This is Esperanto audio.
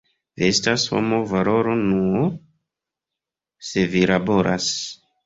Vi estas homo valoro nur se vi laboras.